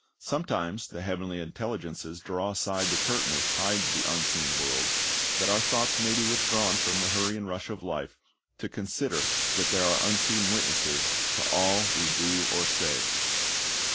Sometimes the heavenly intelligences draw aside the curtain which hides the unseen world, that our thoughts may be withdrawn from the hurry and rush of life, to consider that there are unseen witnesses to all we do or say.